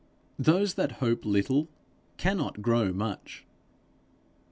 Those that hope little cannot grow much.